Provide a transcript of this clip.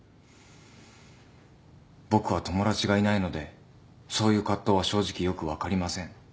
僕は友達がいないのでそういう葛藤は正直よく分かりません。